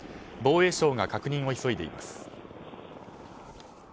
防衛省が確認を急いでいます。